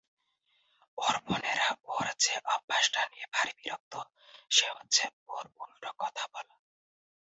ওর বোনেরা ওর যে অভ্যাসটা নিয়ে ভারি বিরক্ত সে হচ্ছে ওর উলটো কথা বলা।